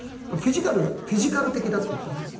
フィジカルフィジカル的だっていうかね。